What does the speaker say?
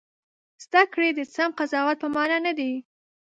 زده کړې د سم قضاوت په مانا نه دي.